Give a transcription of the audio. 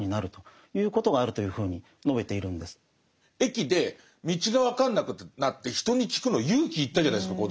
駅で道が分かんなくなって人に聞くの勇気いったじゃないですか